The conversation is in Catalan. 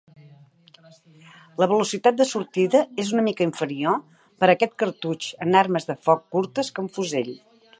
La velocitat de sortida és una mica inferior per a aquest cartutx en armes de foc curtes que en fusells.